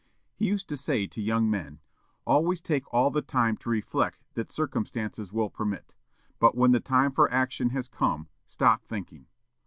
He used to say to young men, "Always take all the time to reflect that circumstances will permit; but when the time for action has come, stop thinking."